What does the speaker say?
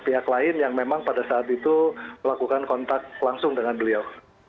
pihak lain yang memang pada saat itu melakukan kontak langsung dengan beliau